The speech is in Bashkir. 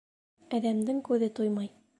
Әҙәмдең күҙе туймай.